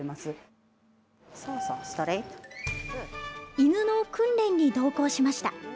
犬の訓練に同行しました。